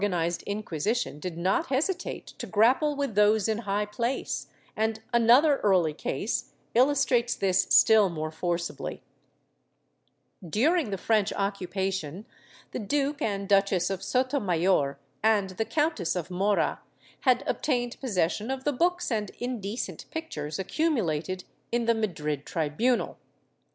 100. * Archive de Simancas, Inq., Lib. S90. 430 DECADENCE AND EXTINCTION [Book IX ized Inquisition did not hesitate to grapple with those in high place, and another early case illustrates this still more forcibly. During the French occupation the Duke and Duchess of Sotomayor and the Countess of Mora had obtained possession of the books and indecent pictures accumulated in the Madrid tribunal.